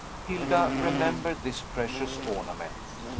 Hilda remembered this precious ornament.